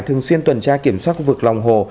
thường xuyên tuần tra kiểm soát vực lòng hồ